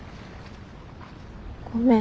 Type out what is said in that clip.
ごめん。